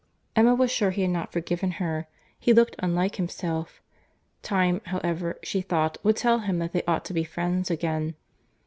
Emma was sure he had not forgiven her; he looked unlike himself. Time, however, she thought, would tell him that they ought to be friends again.